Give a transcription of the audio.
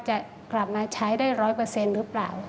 จะกลับมาใช้ได้ร้อยเปอร์เซ็นต์หรือเปล่า